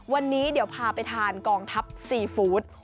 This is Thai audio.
วันนี้เดี๋ยวพาไปทานกองทัพซีฟู้ด